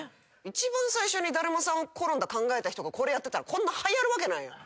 一番最初にだるまさんが転んだ考えた人がこれやってたらこんなはやるわけないやん。